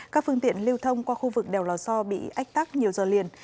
các phương tiện lưu thông qua khu vực đèo lò so bị ách tắc nhiều giờ liền